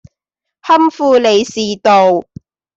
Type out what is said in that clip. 堪富利士道